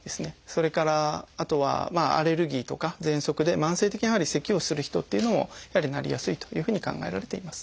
それからあとはアレルギーとかぜんそくで慢性的にやはりせきをする人っていうのもやはりなりやすいというふうに考えられています。